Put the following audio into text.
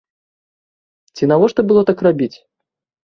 Ці навошта было так рабіць?